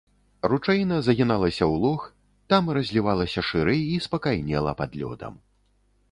Ручаіна загіналася ў лог, там разлівалася шырэй і спакайнела пад лёдам.